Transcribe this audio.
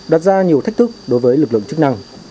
đặt ra nhiều thách thức đối với lực lượng chức năng